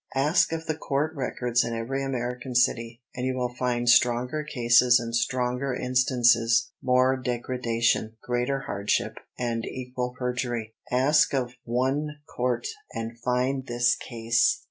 Ask of the court records in every American city, and you will find stronger cases and stronger instances, more degradation, greater hardship, and equal perjury. Ask of one court and find this case!